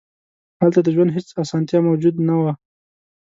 هلته د ژوند هېڅ اسانتیا موجود نه وه.